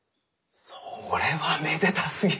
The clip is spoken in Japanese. それはめでたすぎる。